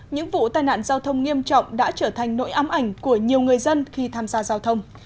những vụ tai nạn giao thông nghiêm trọng đã trở thành nỗi ám ảnh của nhiều người dân khi tham gia giao thông